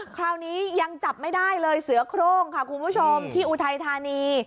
คราวนี้ยังจับไม่ได้เลยเสือโครงค่ะคุณผู้ชมที่อุทัยธานี